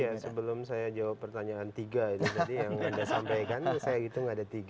ya sebelum saya jawab pertanyaan tiga jadi yang anda sampaikan saya hitung ada tiga